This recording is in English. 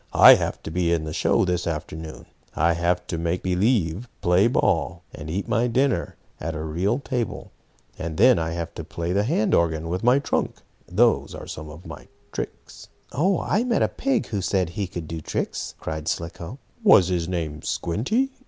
"I have to be in the show this afternoon. I have to make believe play ball, and eat my dinner at a real table, and then I have to play the hand organ with my trunk. Those are some of my tricks." "Oh, I met a pig who said he could do tricks!" cried Slicko. "Was his name Squinty?"